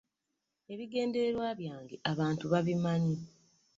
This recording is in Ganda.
“Ebigenderewa byange abantu babimanyi"